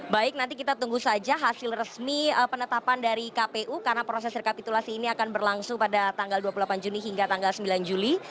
baik nanti kita tunggu saja hasil resmi penetapan dari kpu karena proses rekapitulasi ini akan berlangsung pada tanggal dua puluh delapan juni hingga tanggal sembilan juli